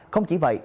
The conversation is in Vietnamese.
không chỉ vậy